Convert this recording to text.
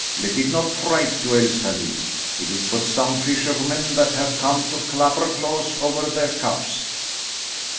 Let it not fright you, Elsalill; it is but some fishermen that have come to clapper claws over their cups."